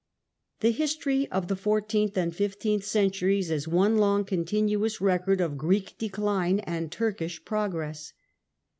The history of the fourteenth and fifteenth centuries is one long continuous record of Greek decline and Turkish progress.